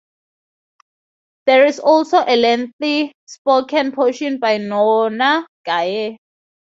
There is also a lengthy spoken portion by Nona Gaye.